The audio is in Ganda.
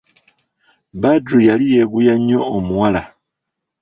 Badru yali yeeguya nnyo omuwala.